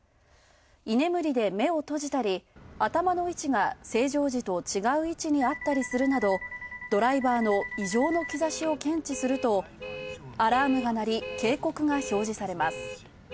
居眠りで目を閉じたり頭の位置が正常時と違う位置にあったりするなど、ドライバーの異常の兆しを検知するとアラームが鳴り、警告が表示されます。